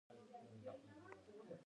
د کلیو هوا تر بازار ډیره پاکه وي.